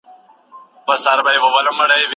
تاسو ته اجازه شته چې له دې ګډو اوبو استفاده وکړئ.